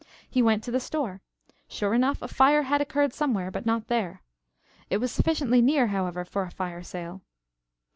He went to the store. Sure enough, a fire had occurred somewhere, but not there. It was sufficiently near, however, for a fire sale.